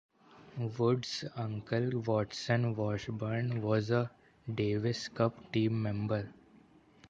Wood's uncle Watson Washburn was a Davis Cup team member.